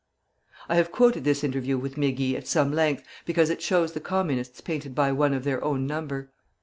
I have quoted this interview with Mégy at some length, because it shows the Communists painted by one of their own number.